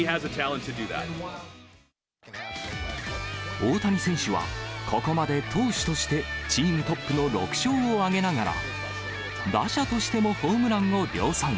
大谷選手は、ここまで投手としてチームトップの６勝を挙げながら、打者としてもホームランを量産。